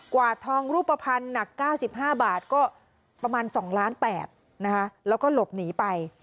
วาดทองรูปภัณฑ์หนัก๙๕บาทก็ประมาณ๒ล้าน๘นะคะแล้วก็หลบหนีไป